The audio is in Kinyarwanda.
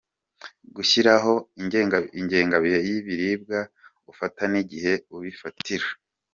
Gushyiraho ingengabihe y’ibiribwa ufata n’igihe ubifatira .